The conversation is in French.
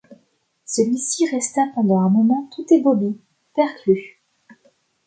Celui-ci resta pendant un moment tout ébaubi, perclus